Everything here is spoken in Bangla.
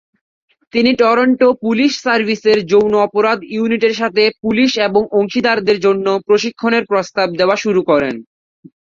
তিনি টরন্টো পুলিশ সার্ভিসের যৌন অপরাধ ইউনিটের সাথে পুলিশ এবং অংশীদারদের জন্য প্রশিক্ষণের প্রস্তাব দেওয়া শুরু করেন।